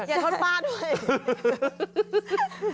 อย่าโทษป้าด้วย